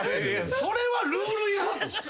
それはルール違反でしょ。